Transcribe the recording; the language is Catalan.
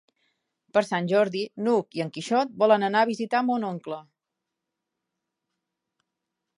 Per Sant Jordi n'Hug i en Quixot volen anar a visitar mon oncle.